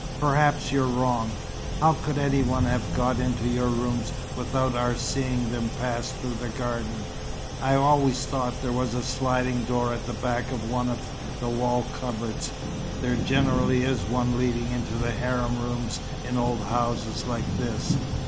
"Perhaps you're wrong. How could any one have got into your rooms without our seeing them pass through the garden?" "I've always thought there was a sliding door at the back of one of my wall cupboards. There generally is one leading into the harem rooms in old houses like this.